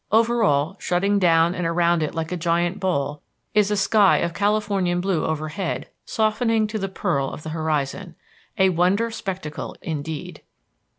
Over all, shutting down and around it like a giant bowl, is a sky of Californian blue overhead softening to the pearl of the horizon. A wonder spectacle indeed!